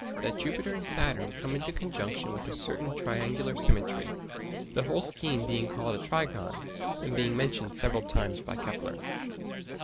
that Jupiter and Saturn come into conjunction with a certain triangular symmetry; the whole scheme being called a trigon, and being mentioned several times by Kepler.